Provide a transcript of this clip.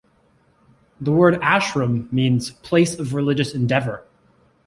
The word "ashram" means “place of religious endeavor.”